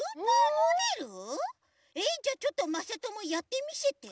えっじゃあちょっとまさともやってみせて。